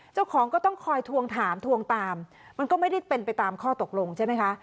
เจ้าของก็ต้องคอยทวงถามทวงตามมันก็ไม่ได้เป็นไปตามข้อตกลงใช่ไหมคะ